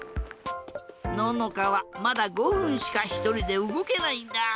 ののかはまだ５ふんしかひとりでうごけないんだ。